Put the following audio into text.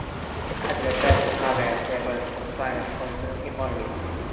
It reports to the Cabinet Secretary for Finance and the Economy.